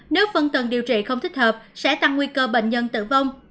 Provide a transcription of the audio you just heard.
nếu phân tầng điều trị không thích hợp sẽ tăng nguy cơ bệnh nhân tử vong